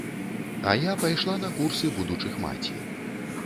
А я пайшла на курсы будучых маці.